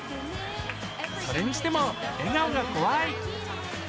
それにしても、笑顔が怖い！